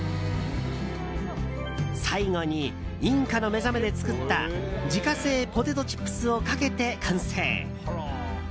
最後に、インカのめざめで作った自家製ポテトチップスをかけて完成！